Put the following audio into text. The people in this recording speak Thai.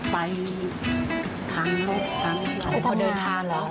ไปทางรถเขาเดินทางหรือ